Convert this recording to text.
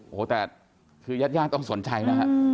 โอ้โหแต่คือยาดต้องสนใจนะฮะ